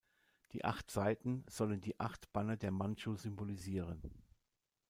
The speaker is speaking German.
Die acht Seiten sollen die Acht Banner der Mandschu symbolisieren.